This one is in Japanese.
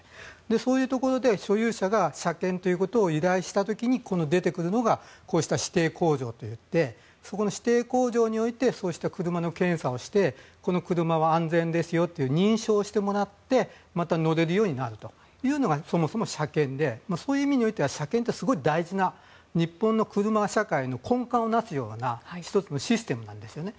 そういうところで所有者が車検ということを依頼した時に出てくるのがこうした指定工場といってそこの指定工場においてそうした車の検査をしてこの車は安全ですよと認証してもらってまた乗れるようになるというのがそもそも車検でそういう意味においては車検ってすごい大事な、日本の車社会の根幹を成すような１つのシステムなんですよね。